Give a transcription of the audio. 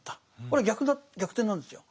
これ逆転なんですよ。